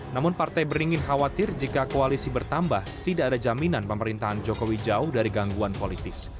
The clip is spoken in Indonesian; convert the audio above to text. namun partai beringin khawatir jika koalisi bertambah tidak ada jaminan pemerintahan jokowi jauh dari gangguan politis